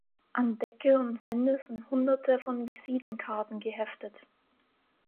An Decke und Wände sind Hunderte von Visitenkarten geheftet.